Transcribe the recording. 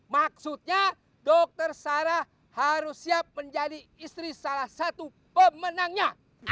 maksudnya dokter sarah harus siap menjadi istri salah satu pemenangnya